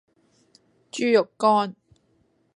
豬肉乾